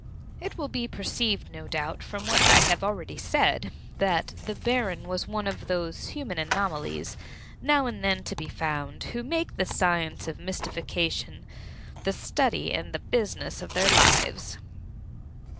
It will be perceived, no doubt, from what I have already said, that the Baron was one of those human anomalies now and then to be found, who make the science of mystification the study and the business of their lives.